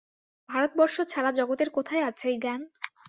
ভারতবর্ষ ছাড়া জগতের কোথায় আছে এ জ্ঞান?